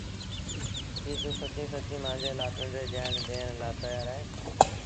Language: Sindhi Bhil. ڪيٚ توٚنٚ سچيٚݩ پچيٚݩ مآݩجي لآ پنڊريٚ جآن ڏيڻ لآ تيآر اهينٚ؟